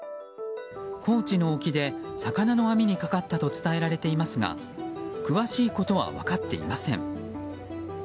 高知の沖で魚の網にかかったと伝えられていますが詳しいことは分かっていません。